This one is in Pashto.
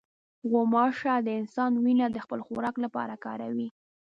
غوماشه د انسان وینه د خپل خوراک لپاره کاروي.